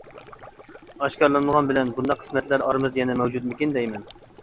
ئاشكارىلانمىغان بىلەن بۇنداق قىسمەتلەر ئارىمىزدا يەنە مەۋجۇتمىكىن دەيمەن!